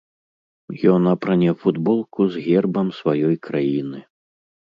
Ён апране футболку з гербам сваёй краіны!